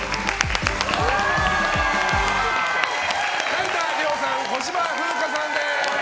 成田凌さん、小芝風花さんです！